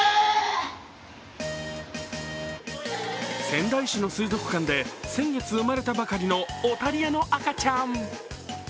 仙台市の水族館で先月生まれたばかりのオタリアの赤ちゃん。